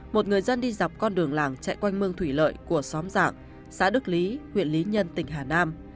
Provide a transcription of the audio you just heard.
một người dân đi dọc con đường làng chạy quanh mương thủy lợi của xóm giảng xã đức lý huyện lý nhân tỉnh hà nam